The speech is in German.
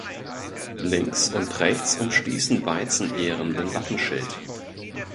Links und rechts umschließen Weizenähren den Wappenschild.